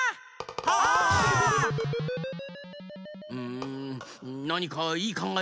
んなにかいいかんがえはないか？